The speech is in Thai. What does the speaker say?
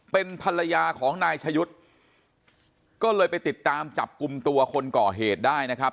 เป็นภรรยาของนายชะยุทธ์ก็เลยไปติดตามจับกลุ่มตัวคนก่อเหตุได้นะครับ